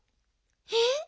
えっ！？